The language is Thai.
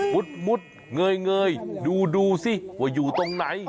มุดเงยดูสิว่าอยู่ตรงไหน